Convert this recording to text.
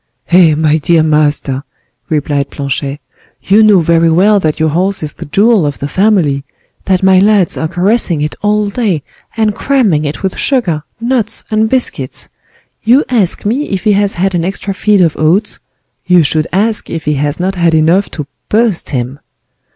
"Eh! my dear master," replied Planchet, "you know very well that your horse is the jewel of the family; that my lads are caressing it all day, and cramming it with sugar, nuts, and biscuits. You ask me if he has had an extra feed of oats; you should ask if he has not had enough to burst him."